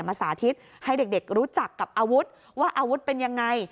สาธิตให้เด็กรู้จักกับอาวุธว่าอาวุธเป็นยังไง